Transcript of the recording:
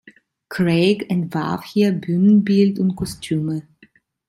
Craig entwarf hier Bühnenbild und Kostüme.